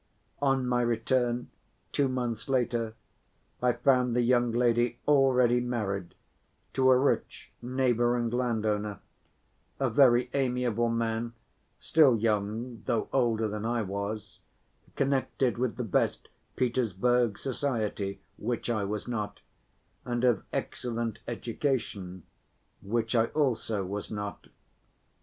On my return two months later, I found the young lady already married to a rich neighboring landowner, a very amiable man, still young though older than I was, connected with the best Petersburg society, which I was not, and of excellent education, which I also was not.